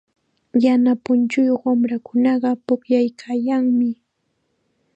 Yana punchuyuq wamrakunaqa pukllaykaayanmi.